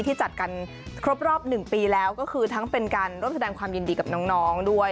ที่จัดกันครบรอบ๑ปีแล้วก็คือทั้งเป็นการร่วมแสดงความยินดีกับน้องด้วย